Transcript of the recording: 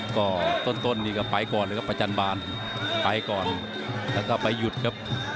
ก็ต้นเป็นการไปก่อนและก็ไปก่อนและไปหยุดครับ